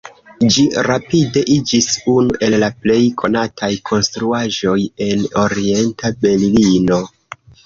Ĝi rapide iĝis unu el la plej konataj konstruaĵoj en Orienta Berlino.